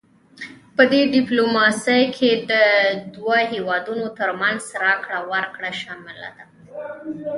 پدې ډیپلوماسي کې د دوه هیوادونو ترمنځ راکړه ورکړه شامله ده